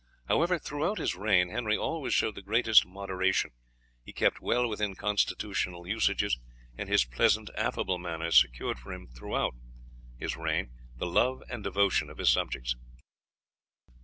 However, throughout his reign Henry always showed the greatest moderation; he kept well within constitutional usages, and his pleasant, affable manner secured for him throughout his reign the love and devotion of his subjects.